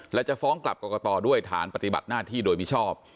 และจะฟ้องกลับกรกตด้วยฐานปฏิบัติหน้าที่โดยมิชอบ